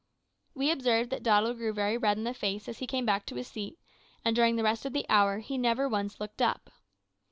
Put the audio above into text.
"We observed that Doddle grew very red in the face as he came back to his seat, and during the rest of the hour he never once looked up.